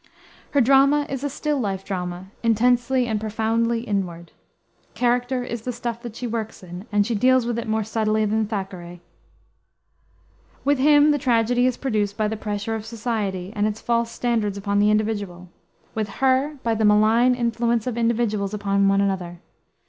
Her drama is a still life drama, intensely and profoundly inward. Character is the stuff that she works in, and she deals with it more subtly than Thackeray. With him the tragedy is produced by the pressure of society and its false standards upon the individual; with her, by the malign influence of individuals upon one another.